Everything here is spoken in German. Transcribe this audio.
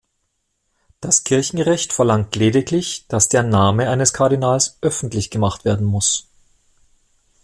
Das Kirchenrecht verlangt lediglich, dass der Name eines Kardinals öffentlich gemacht werden muss.